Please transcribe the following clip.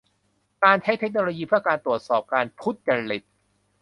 การใช้เทคโนโลยีเพื่อการตรวจสอบการทุจริต